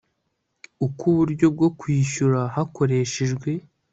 uko uburyo bwo kwishyura hakoreshejwe